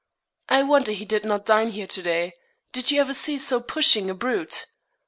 I wonder he did not dine here to day. Did you ever see so pushing a brute?'